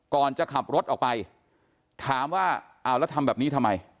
ก่อนจะขับรถออกไปถามว่าเอาแล้วทำแบบนี้ทำไม